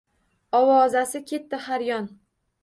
Ovozasi ketdi har yon.